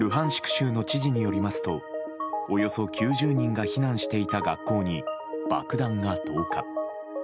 州の知事によりますとおよそ９０人が避難していた学校に爆弾が投下。